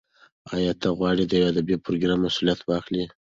ایا ته غواړې د یو ادبي پروګرام مسولیت واخلې؟